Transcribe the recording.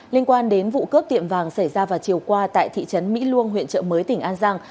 liên quan đến vụ cướp tiệm vàng xảy ra vào chiều qua tại thị trấn mỹ luông huyện trợ mới tỉnh an giang